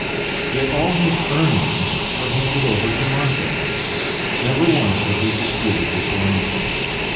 Yet all his earnings were handed over to Martha. Never once had he disputed this arrangement.